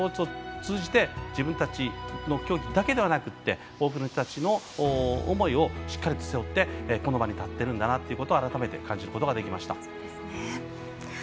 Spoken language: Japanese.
自分たちの競技だけではなくて多くの人たちの思いをしっかり背負ってこの場に立ってるんだなと改めて感じることができました。